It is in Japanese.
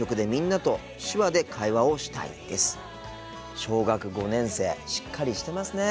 小学５年生しっかりしてますね。